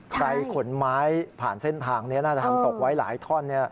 ขนไม้ผ่านเส้นทางนี้น่าจะทำตกไว้หลายท่อน